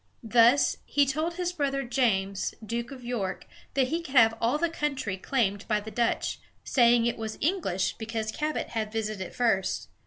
Thus, he told his brother James, Duke of York, that he could have all the country claimed by the Dutch, saying that it was English because Cabot had visited it first.